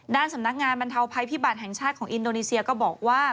ด้านสำนักงานบรรเทาภัยพิบัติแห่งชาติของอินโดนีเซียก็บอกว่า